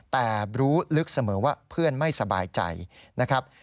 แต่รู้ลึกเสมอว่าเพื่อนไม่สบายใจนะครับ